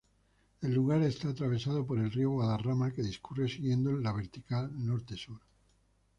El lugar está atravesado por el río Guadarrama, que discurre siguiendo la vertical norte-sur.